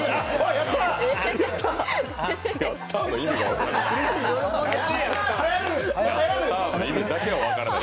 やった！の意味が分からない。